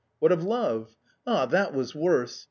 What of love ? Ah, that was worse